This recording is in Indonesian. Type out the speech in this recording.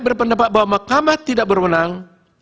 berpendapat bahwa mahkamah tidak berwenang